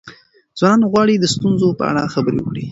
ځوانان غواړي د ستونزو په اړه خبرې وکړي.